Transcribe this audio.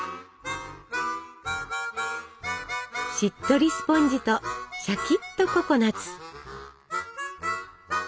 しっとりスポンジとしゃきっとココナツ。